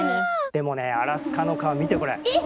でもねアラスカの蚊見てこれ。